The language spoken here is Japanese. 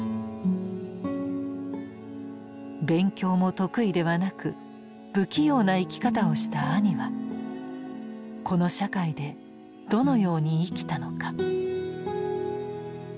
勉強も得意ではなく不器用な生き方をした兄はこの社会でどのように生きたのか。